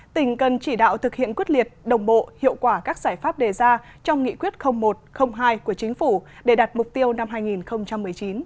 tỉnh cần chỉ đạo thực hiện quyết liệt đồng bộ hiệu quả các giải pháp đề ra trong nghị quyết một hai của chính phủ để đạt mục tiêu năm hai nghìn một mươi chín